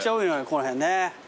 この辺ね。